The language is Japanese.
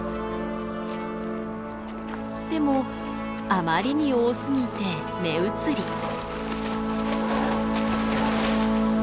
でもあまりに多すぎて目移り。